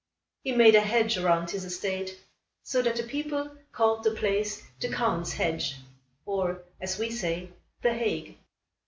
He made a hedge around his estate, so that the people called the place the Count's Hedge; or, as we say, The Hague.